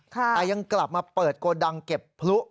แต่ยังกลับมาเปิดโกดังเก็บพลุ